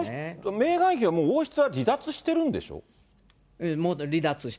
メーガン妃は、もう王室は離脱してるんでしょう。